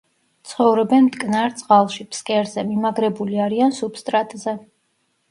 ცხოვრობენ მტკნარ წყალში, ფსკერზე, მიმაგრებული არიან სუბსტრატზე.